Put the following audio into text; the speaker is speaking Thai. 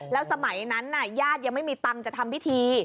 แล้วสมัยนั้นญาติยังไม่มีตังค์จะทำพิธี